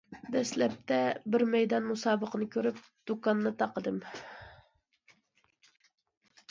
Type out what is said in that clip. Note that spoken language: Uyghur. دەسلەپتە بىر مەيدان مۇسابىقىنى كۆرۈپ دۇكاننى تاقىدىم.